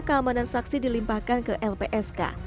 keamanan saksi dilimpahkan ke lpsk